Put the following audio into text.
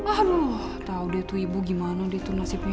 aduh tau deh tuh ibu gimana deh tuh nasibnya